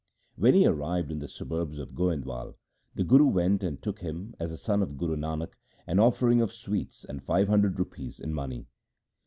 When he arrived in the suburbs of Goindwal, the Guru went and took him, as the son of Guru Nanak, an offering of sweets and five hundred rupees in money.